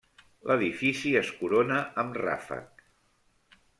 L'edifici es corona amb ràfec.